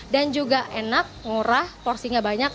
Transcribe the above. dan juga enak murah porsinya banyak